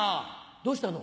どうしたの？